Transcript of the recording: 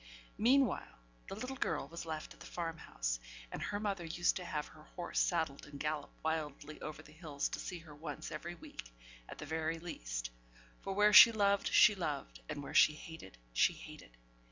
Meanwhile, the little girl was left at the farm house, and her mother used to have her horse saddled and gallop wildly over the hills to see her once every week, at the very least; for where she loved she loved, and where she hated she hated.